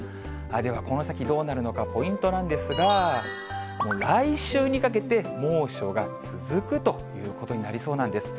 では、この先どうなるのか、ポイントなんですが、もう来週にかけて、猛暑が続くということになりそうなんです。